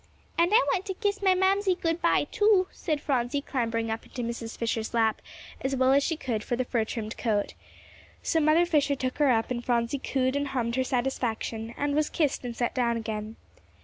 "And I want to kiss my Mamsie good by, too," said Phronsie, clambering up into Mrs. Fisher's lap, as well as she could for the fur trimmed coat. So Mother Fisher took her up, and Phronsie cooed and hummed her satisfaction, and was kissed and set down again.